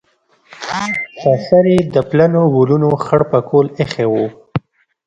پر سر یې د پلنو ولونو خړ پکول ایښی و.